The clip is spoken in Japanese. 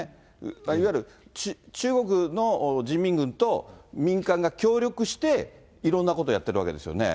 いわゆる中国の人民軍と民間が協力して、いろんなことやってるわけですよね。